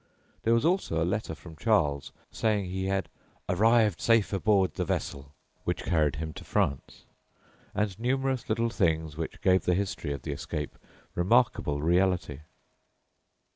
There was also a letter from Charles saying he had "arrived safe aboard ye vessell" which carried him to France, and numerous little things which gave the history of the escape remarkable reality.